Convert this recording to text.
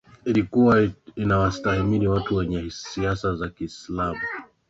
ilikuwa inawastahamilia watu wenye siasa za Kiislamu